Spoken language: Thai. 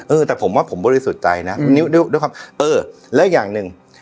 เออแต่ผมว่าผมบริสุทธิ์ใจนะอืมนี่ดูดูครับเออและอย่างหนึ่ง